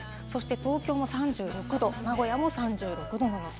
東京も３６度、名古屋も３６度の予想。